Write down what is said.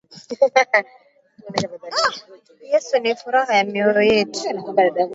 Yesu ni furah ya myoyo yetu